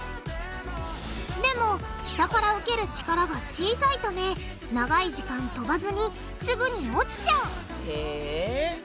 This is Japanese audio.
でも下から受ける力が小さいため長い時間飛ばずにすぐに落ちちゃうへぇ。